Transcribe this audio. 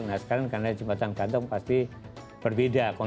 nah sekarang karena jembatan gantung pasti berbeda